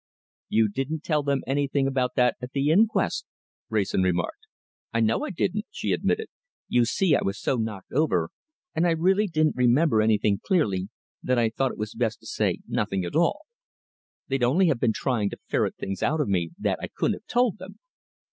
"You didn't tell them anything about that at the inquest," Wrayson remarked. "I know I didn't," she admitted. "You see, I was so knocked over, and I really didn't remember anything clearly, that I thought it was best to say nothing at all. They'd only have been trying to ferret things out of me that I couldn't have told them."